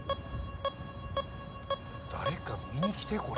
誰か見に来てこれ。